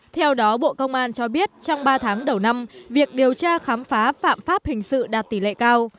theo đó bộ công an cho biết trong ba tháng đầu năm việc điều tra khám phá phạm pháp hình sự đạt tỷ lệ cao